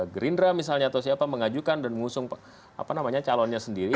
gerindra misalnya atau siapa mengajukan dan mengusung calonnya sendiri